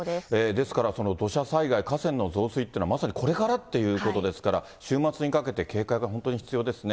ですから、土砂災害、河川の増水というのはまさにこれからっていうことですから、週末にかけて警戒が本当に必要ですね。